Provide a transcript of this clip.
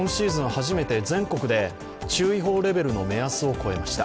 初めて全国で注意報レベルの目安を超えました。